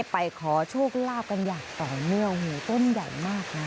ไปขอโชคลาภกันอย่างต่อเนื่องโอ้โหต้นใหญ่มากนะ